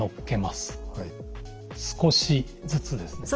少しずつですね。